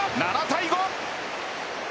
７対５！